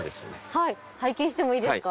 はい拝見してもいいですか？